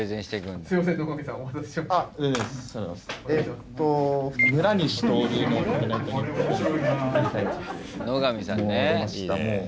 えっと野上さんね。